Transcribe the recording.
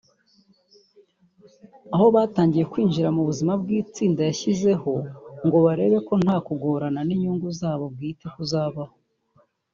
aho batangiye kwinjira mu buzima bw’itsinda yashyizeho ngo barebe ko nta kugongana n’inyungu zabo bwite kuzabaho